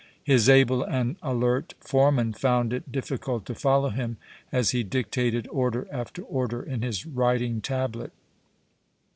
His able and alert foreman found it difficult to follow him as he dictated order after order in his writing tablet.